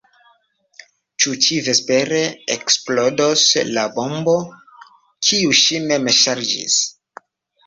Ĉu ĉivespere eksplodos la bombo, kiun ŝi mem ŝarĝis?